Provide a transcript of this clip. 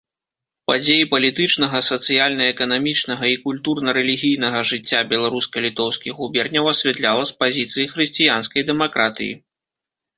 Падзеі палітычнага, сацыяльна-эканамічнага і культурна-рэлігійнага жыцця беларуска-літоўскіх губерняў асвятляла з пазіцыі хрысціянскай дэмакратыі.